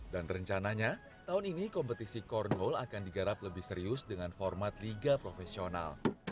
dan rencananya tahun ini kompetisi cornhole akan digarap lebih serius dengan format liga profesional